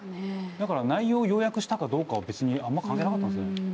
だから内容を要約したかどうかは別にあんま関係なかったんですね。